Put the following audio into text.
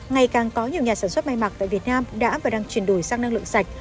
ngày càng có nhiều nhà sản xuất may mặc tại việt nam đã và đang chuyển đổi sang năng lượng sạch